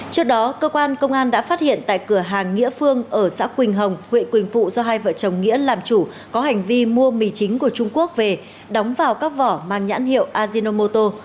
trước đó cơ quan công an đã phát hiện tại cửa hàng nghĩa phương ở xã quỳnh hồng huyện quỳnh phụ do hai vợ chồng nghĩa làm chủ có hành vi mua mì chính của trung quốc về đóng vào các vỏ mang nhãn hiệu ajinomoto